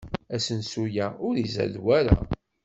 Asensu-a ur izad wara.